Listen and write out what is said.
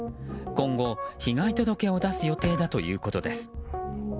今後、被害届を出す予定だということです。